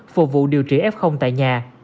phục vụ điều trị f tại nhà